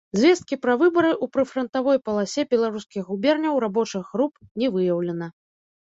Звесткі пра выбары ў прыфрантавой паласе беларускіх губерняў рабочых груп не выяўлена.